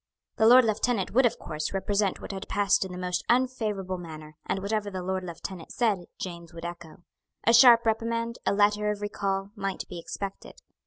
The Lord Lieutenant would, of course, represent what had passed in the most unfavourable manner; and whatever the Lord Lieutenant said James would echo. A sharp reprimand, a letter of recall, might be expected.